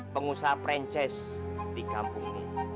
pengusaha perancis di kampung ini